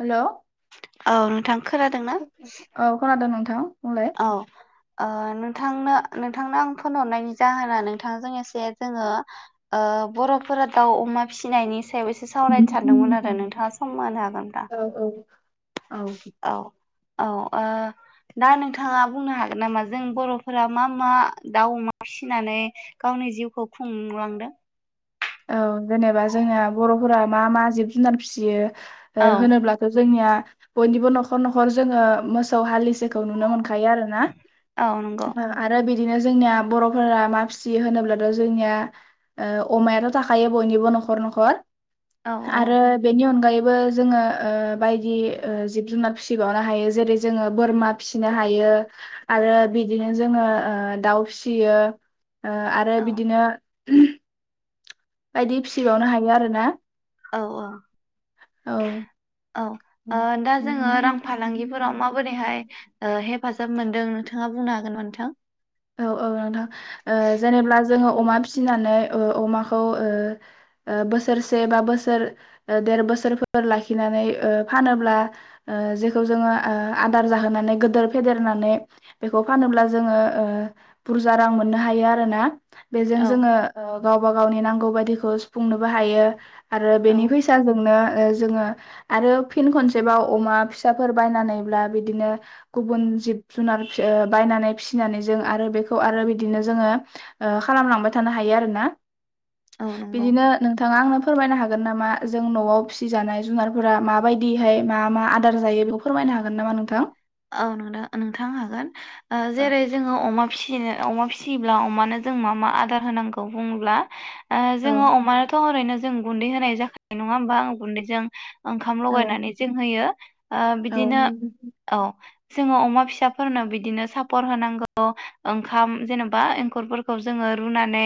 हेल' औ नोंथां खोनादों ना हेल औ ओ नोंथांनो नोंथांनो आं फन हरनायनि जाहोना नोंथांजों एसे जोङो बर'फोरा दाउ अमा फिसिनायनि सायाव एसे सावरायनो सानदोंमोन आरो नोंथाङा समम होनो हागोनबा औ औ औ औ ओ दा नोंथाङा बुंनो हागोन नामा जों बर'फोरा मा मा दाउ अमा फिसिनानै गावनि जिउखौ खुंलांदों औ जेनेबा जोंना बर'फोरा मा मा जिब जुनार फिसियो औ होनोब्लाथ' जोंनिया बयनिबो न'खर न'खर जोङो मोसौ हालिसे खौ नुनो मोनखायो आरो औ नंगौ ना बिदिनो जोंनिया बर'फोरा मा फिसियो होनोब्लाथ' जोंनिया अमायाथ' थाखायो बयनिबो न'खर न'खर औ आरो बेनि अनगाय बो जोङो बायदि जिब जुनार फिसिबावनो हायो जेरै जोङो बोरमा फिसिनो हायो आरो बिदिनो जोङो दाउ फिसियो ओ आरो औ बिदिनो उ बायदि फिसिबावनो हायो आरोना औ औ औ ओ दा जोङो रां फालांगिफोराव माबोरैहाय ओ हेफाजाब मोनदों नोंथाङा बुंनो हागोन नामा नोंथां औ औ नोंथां ओ जेनेब्ला जोङो अमा फिसिनानै ओ अमाखौ ओ बोसोरसे बा बोसोर देर बोसोरफोर लाखिनानै ओ फानोब्ला ओ जेखौ जोङो आदार जाहोनानै गिदोर फेदेरनानै बेखौ फानोब्ला जोङो ओ बुरजा रां मोननो हायो आरो ना। बेजों औ जोङो गावबा गावनि नांगौ बायदिखौ सुफुंनोबो हायो। आरो बेनि औ फैसाजोंनो ओ जोङो आरो फिन खनसेबाव अमा फिसाफोर बायनानैब्ला बिदिनो गुबुन जिब जुनार ओ बायनानै फिनानै जों आरो बेखौ आरो बिदिनो जोङो ओ खालामलांबाय थानो हायो आरोना। औ नंगौ बिदिनो नोंथाङा आंनो फोरमायनो हागोन हागोन नामा जों न'आव फिसिजानाय जुनारफोरा माबायदिहाय मा मा आदार जायो बेखौ फोरमायनो हागोन नामा नोंथां। औ नोंथ नोंथां हागोन औ जेरै जोङो अमा फिनो अमा फिसियोब्ला अमानो जों मा मा आदार होनांगौ बुङोब्ला ओ जोङो अमायाथ' ओरैनो जों गुन्दै होनाय जाखानायो नङा होमबा गुन्दैजों ओंखाम औ लगायनानै जों होयो। ओ औ बिदिनो नोंगौ। औ जोङो अमा फिसाफोरनो बिदिनो सापर होनांगौ ओंखाम जेनेबा एंखुरफोरखौ जोङो रुनानै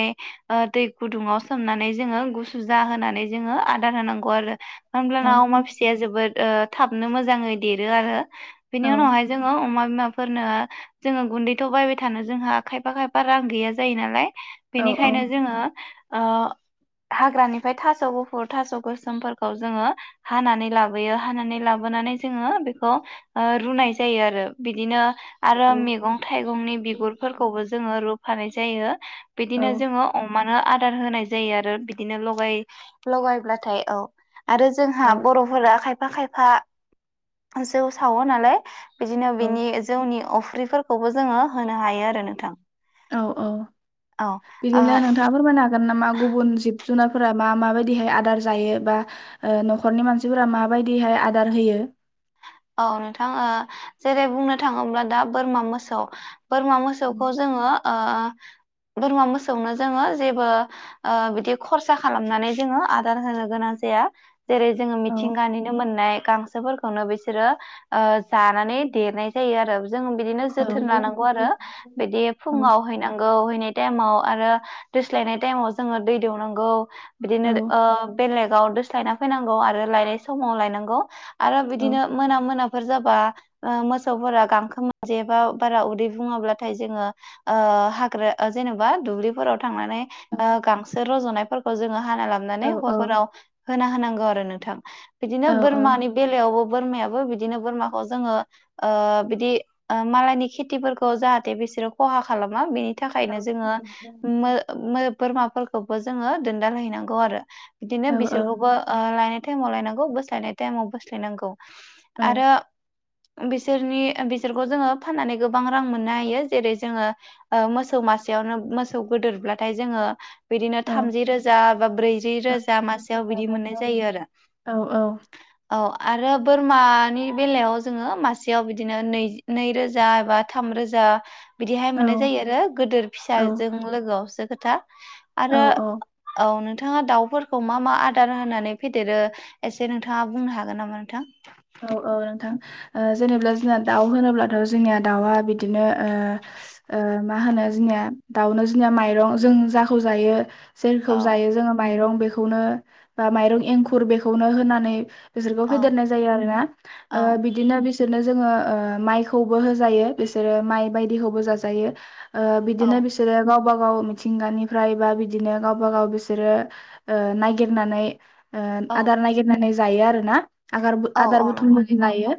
दै गुदुङाव सोमनानै जोङो गुसु जाहानै जोङो आदार होनांगौ आरो। औ होमब्लाना अमा फिसाया जोबोद ओ थाबनो मोजाङै देरो आरो। औ बेनि उनावहाय जोङो अमा बिमाफोरनो जोङो गुन्दैथ' बायबाय थानो जोंहा खायफा खायफा रां गैया जायो नालाय औ बेनिखायनो जोङो। ओ हाग्रानिफ्राय थास' गुफुर थास' गोसोमफोरखौ जोङो हानानै लाबोयो हानानै लाबोनानै जोङो बेखौ ओ रुनाय जायो आरो बिदिनो आरो मैगं थाइगंनि बिगुरफोरखौबो जोङो रुफानाय जायो। बिदिनो जोङो अमा नो आदार होनाय जायो आरो बिदिनो लगाय लगायब्लाथाय औ। आरो जोंहा बर'फोरा खायफा खायफा खायफा जौ सावो नालाय बिदिनो औ बिनि जौनि अफ अफ्रि फोरखौबो जोङो होनो हायो आरो नोंथां। औ औ औ बिदिनो ओ नोंथाङा फोरमायनो हागोन नामा गुबुन जिब जुनारफोरा मा माबायदिहाय आदार जायो बा ओ न'खरनि मानसिफोरा माबायदिहाय आदार होयो। औ नोंथां ओ जेरै बुंनो थाङोब्ला दा बोरमा मोसौ । बोरमा मोसौखौ जोङो ओ बोरमा मोसौनो जोङो जेबो ओ बिदि खरसा खालामनानै जोङो आदार होनो गोनां जाया जेरै जोङो औ मिथिंगानिनो मोननाय गांसोफोरखौनो बैसो । सोरो ओ जानानै देरनाय जायो आरो। जों बिदिनो औ जोथोन लानांगौ आरो बिदि औ फुङाव हैनांगौ हैनाय टाइमाव आरो दोस्लायनाय टाइमाव जोङो दै दौनांगौ। औ बिदिनो ओ बेलेगाव दोस स्लायना फैनांगौ आरो लायनाय समाव लायनांगौ। आरो औ बिदिनो मोना मोनाफोर जाबा ओ मोसौफोरा गांखो मोनजायाबा बारा उदै बुङाब्लाथाय जोङो ओ हाग्रा जेनेबा दुब्लिफोराव थांनानै ओ गांसो रजनायफोरखौ जोङो हाना लाबोनानै औ औ हरफोराव होना होनांगौ आरो नों थां औ बिदिनो बोरमानि बेलायावबो बोरमायाबो बिदिनो बोरमाखौ जोङो ओ बिदि मालायनि खेथिफोरखौ जाहाथे बिसोरो खहा खालामा बिनि औ थाखायनो औ जोङो मो मो बोरमाफोरखौबो जोङो दोनदाल हैैनांगौ आरो। औ बिदिनो औ बिसोरखौबो ओ लायनो टाइमाव लायनांगौ बोस्लायनाय टाइमाव बोस्लायनांगौ। आरो बिसोरनि बिसोरखौ जोङो फाननानै गोबां रां मोननो हायो जेरै जोङो ओ मोसौ मासेयावनो मोसौ गोदोरब्लाथाय जोङो बिदिनो औ थामजि रोजा बा ब्रैजि रोजा मासेयाव बिदि मोननाय जायो आरो औ आरो बोरमानि बेलायाव जोङो मासेयाव बिदिनो नै नैरोजा एबा थामरोजा बिदिहाय मोननाय जायो आरो गोदोर फिसाजों लोगोआवसो खोथा। औ आरो औ नोंथाङा दाउ फोरखौ मा मा आदार होनानै फेदेरो एसे नोंथाङा बुंनो हागोन नामा नोंथां? औ औ नोंथां ओ जेनेब्ला जोंना दाउ होनोब्लाथ' जोंनिया दाउआ बिदिनो ओ ओ मा होनो जोंनिया दाउनो जोंनिया माइरं जों जाखौ जायो औ जेरखौ जायो जोङो माइरं बे खौनो ओ माइरं एंखुर बेखौनो होनानै बिसोरखौ औ फेदेरनाय आरोना औ ओ बिदिनो बिसोरनो जोङो ओ माइखौबो होजायो बिसोरो माइ बायदिखौबो जाजायो। ओ औ बिदिनो बिसोरो गाव गावबा गाव मिथिंगानिफ्राय बा बिदिनो गावबा गाव बिसोरो ओ नायगिरनानै ओ औ आदार नायगिरनानै जायो आरोना। आगार औ आदार औ नंगौ बथुम मजि लायो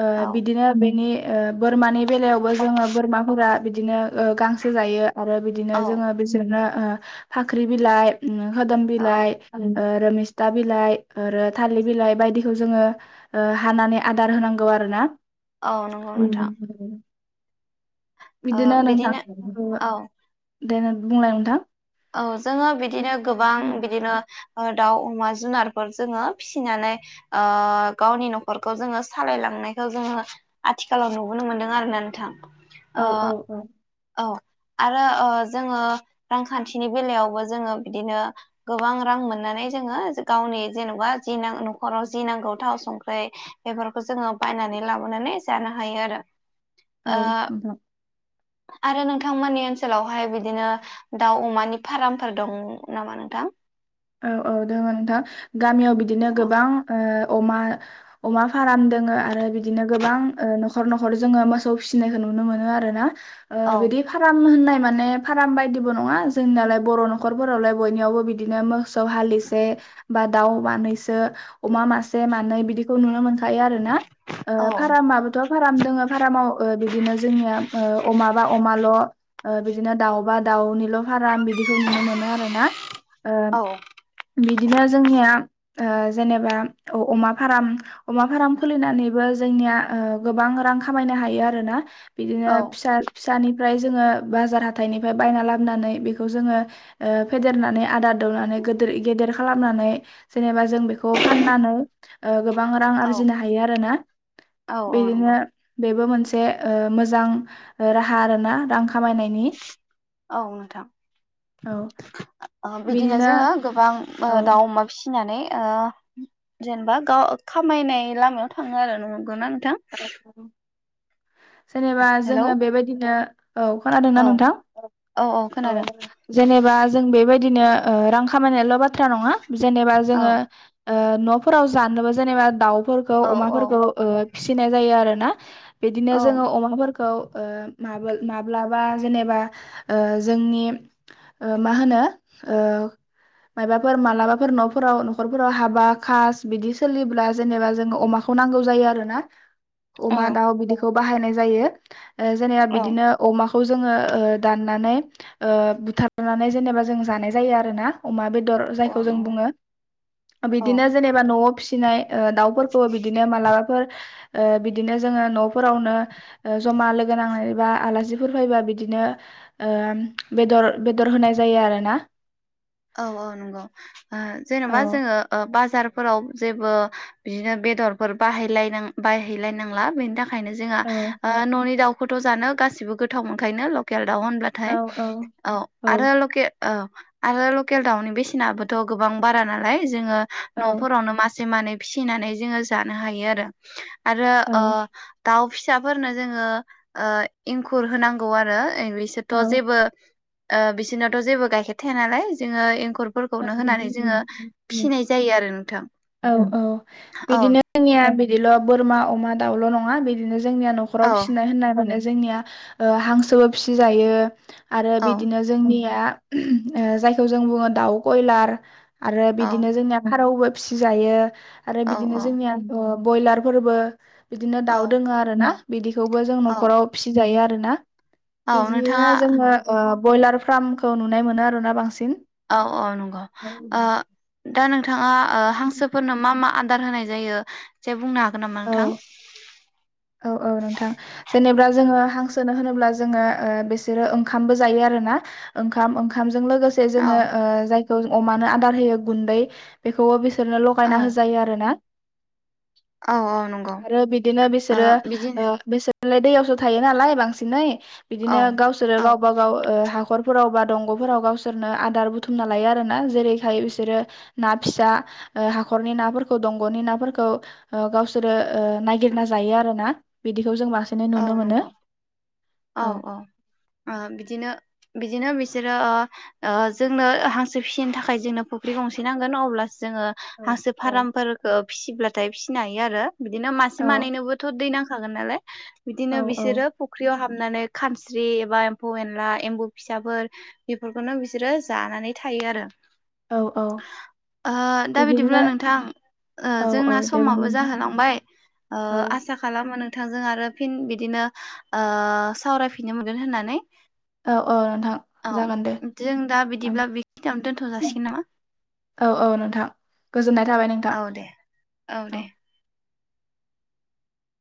ओ औ बिदिनो बेनि ओ बोरमानि बेलायावबो जोङो बोरमाफोरा बिदि बिदिनो ओ गांसो जायो आरो बिदिनो औ जोङो बिसोरनो ओ फाख्रि बिलाइ उमओ खोदोम औ बिलाइ ओ रोमिस्ता बिलाइ आरो थालिर बिलाइ बायदिसिना खौ जोङो हानानै आदार होनांगौ आरोना। औ नंगौ नोंथां। बिदिनो नोंथां औ दे नों बुंलाय नोंथां। औ जोङो बिदिनो गोबां बिदिनो ओ दाउ अमा जुनारफोर जोङो फिसिनानै ओ गावनि न'खरखौ जोङो सालायलांनायखौ जोङो आथिखालाव नुबोनो मोनदों आरोना नोंथां। औ ओ औ औ। औ आरो ओ जोङो रांखान्थिनि बेलायावबो जोङो बिदिनो गोबां रां मोननानै जोङो गावनि जेनेबा जि न'खराव जि नांगौ थाव संख्रि बेफोरखौ जोङो बायनानै लाबोनानै जानो हायो आरो। औ ओ नोंथां। आरो नोंथांमोननि ओनसोलावहाय बिदिनो दाउ अमानि फारामफोर दं नामा नोंथां? औ औ दङ नोंथां। गामियाव बिदिनो औ गोबां ओ अमा अमा फाराम दोङो आरो बिदिनो गोबां ओ न'खर न'खर जोङो मोसौ फिसिनायखौ नुनो मोनो आरोना। ओ औ बिदि फाराम होननाय माने फार्म बायदिबो नङा जोंनियालाय बर' न'खरफोरावलाय बयनियावबो बिदिनो मो सौ हालिसे बा दाउ मानैसो अमा मासे मानै बिदिखौ नुनो मोन खायो आरो ना औ ओ फारामाबोथ' फाराम दङ फारामाव ओ बिदिनो जोंनिया ओ अमाबा अमाल' ओ बिदिनो दाउबा दाउनि ल' फाराम बिदिखौ नुनो मोनो आरोना ओ औ बिदिनो जोंनिया ओ जेनेबा अमा फाराम अमा फाराम खुलिनानैबो जोंनिया ओ गोबां रां खामायनो हायो आरोना। बिदिनो फिसा फिसानि ओमफ्राय जोङो बाजार हाथाइनिफ्राय बायना लाबनानै बेखौ जोङो फेदेरनानै आदार दौनानै गोदोर गेदेर खालामनानै जेनेबा जों बिखौ फाननानै ओ गोब गोबां रां औ आरजिनो हायो आरो‌ना औ बेदिनो नंगौ बेबो‌ मोनसे से ओ मोजां राहा आरोना रां खामायनायनि औ औ नोंथां। बिदिनो जोंङो ओ गोबां दाउ अमा फिनानै ओ जेनेबा गाव खामायनाय लामायाव थांङो आरो नुंगौना नों थां औ जेनेबा जोंङो बेबायदिनो औ खोनादोंना औ नोंथां औ जेनेबा जों बेबायदिनो ओ रां खामायनायल बाथ्रा नंङा जेनेबा औ जोंङो ओ‌ नफोराव जानोबो जेनेबा दाउ फोरखौ औ औ अमाफोरखौ फिसिनाय जायो आरोना। बिदिनो औ जोंङो अमाफोरखौ ओ माबोल माब्लाबा जेनेबा ओ जोंनि ओ मा होनो ओ माबाफोर मालाबाफोर नफोराव नखरफोराव हाबा खास बिदि सोलिब्ला जेनेबा जोंङो अमाखौ नांगौ जायो आरो ना। अमा औ दाउ बिदिखौ बाहायनाय जायो। ओ जेनेबा औ बिदिनो अमा खौ जोंङो ओ दाननानै बुथारनानै जेनेबा जोंङो जानाय जायो आरोना अमा बेद दर औ जायखौ जों नंगौ बुंङो औ बिदिनो जेनेबा नआव फिनाय ओ दाउफोरखौ बिदिनो मालाबाफोर। ओ बिदिनो जोंङो न फोरावनो ओ जमा लोगो नांनाय बा आलासिफोर फैबा बिदिनो ओ बेदर बेदर होनाय जायो आरोना। औ औ नोंगौ। ओ औ जेनबा जोंङो बास थारफोराव जेबो बिदिनो बेदरफोर बाहाय बायहैलायनांला बेनि थाखाय नो जोंहा औ ननि दाउ फट जानो गासिबो गोथाव मोनखायोना लकेल। दाउ होनब्लाथाय औ आरो लखेल औ आरो लकेल दाउनि बेसेनाबोथ‌ गोबां बारा नालाय जोंङो औ नफोरावनो मास से मानै फिसिनानै जोंङो जानो हायो आरो। आरो अ औ दाउ फिसाफोरनो जोङो ओ इंखुर होनांगौ आरो। औ बिसोरथ' जेबो ओ बिसिनोथ' जेबो गायखे थाया नालाय जोङो एंखुर [unintelligible] जायो आरो नोंथां औ औ औ बिदिनो जोंनिया बिदिल' बोरमा अमा दाउल' नङा ङा बिदिनो जो जोंनिया न'खराव औ फिसिनाय होननायखौनो जोंनिया ओ हांसोबो फिसिजायो आरो औ बिदिनो जोंनिया [unintelligible] ओ जायखौ जों बुङो दाउ बयलार आरो औ बिदिनो जोंनिया फारौबो फिसि जायो आरो औ बिदिनो जोंनिया ओ बयलार फोरबो बिदिनो औ दाउ दोङो आरो ना बिदि खौबो जों औ न'खराव फिजायो आरो नो ना औ नोंथाङा बिदिनो जोङो ओ बयलार फार्मखौ नुनाय मोनो आरो ना बांसिन औ अ नंग ओ दा नोंथाङा ओ हांसोफोरनो मा मा आ दार होनाय जायो से बुंनो हा औ औ औ नोंथां जेनेबा जोङो हांसोनो होनोब्ला जोङो ओ बिसोरो ओंखामबो जायो आरोना ओंखाम ओंखाम जों लोगोसे औ जोङो ओ जाय खौ अमानो आदार होयो गुन्दै बेखौ बिस सोरनो औ लगायना होजायो आरो ना औ औ नंगौ आरो बिदिनो ओ बिसोरो बिदिनो ओ बिसो लाय दैयावसो थायो नालाय बांसिनै औ बिदिनो गावसोरो औ गावबा गाव ओ हाखर फोराव बा दंग'फोराव गावसोरनो आदार बुथुमना लायो आरो ना जेरैहाय बिसोरो ना फिसा ओ हाखरनि नाफोरखौ दंग'नि नाफोरखौ ओ गावसोरो ओ नायगिरना जायो आरो ना बिदिखौ जों मा औ नंगौ औ औ बिदिनो बिदिनो जेरै जोंनो हांसो फिसिनो थाखाय जोंनो फुख्रि गंसे नांगोन अब्ला जोङो औ हांसो औ फारामफोरखौ फिसिब्लाथाय फिसिनो हायो आरो बिदिनो मासे मानैनोबोथ' दै नां थागोन नालाय औ बिदिनो बिसोरो फुख्रियाव हाब नानै खानस्रि एबा एम्फौ एनला एम्बु फिसाफोर बेफोरखौनो बिसोरो जानानै थायो आरो औ औ दा बिदिनो बिदिब्ला नोंथां औ औ जोंना दे बुं समाबो नोंथां जाहोलांबाय औ आसा खालामो नों बिथांजों आरो फिन बिदिनो सावरायफिननो मोनगोन होननानै औ औ नोंथां औ जागोन दे जों दा ओं बिदिब्ला बेखिनियावनो दोनथ' जासिगोन नामा? औ औ नोंथां गोजोननाय थाबाय नोंथां औ दे औ।